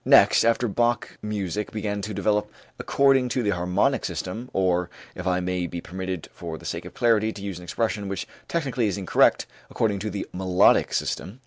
Next, after Bach music began to develop according to the harmonic system, or, if I may be permitted for the sake of clarity to use an expression which technically is incorrect, according to the melodic system.